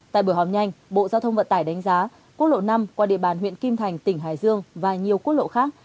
tại buổi họp nhanh bộ giao thông vận tải đánh giá quốc lộ năm qua địa bàn huyện kim thành tỉnh hải dương và nhiều quốc lộ khác